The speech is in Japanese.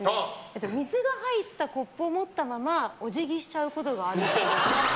水が入ったコップを持ったままお辞儀しちゃうことがあるっぽい。